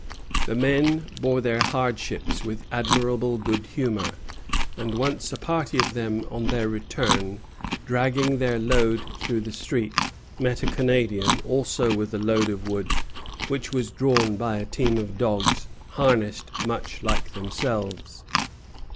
The men bore their hardships with admirable good humor; and once a party of them on their return, dragging their load through the street, met a Canadian, also with a load of wood, which was drawn by a team of dogs harnessed much like themselves.